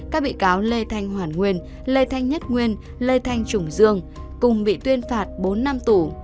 các bị cáo lê thanh hoàn nguyên lê thanh nhất nguyên lê thanh trùng dương cùng bị tuyên phạt bốn năm tù